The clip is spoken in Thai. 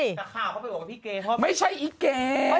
แต่ข่าวเข้าไปบอกว่าพี่เกฒพวกนั้นไม่ไอ้เกฒ